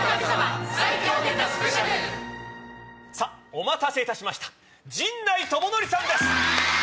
お待たせいたしました陣内智則さんです。